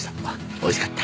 おいしかった。